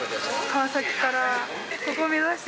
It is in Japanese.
川崎から。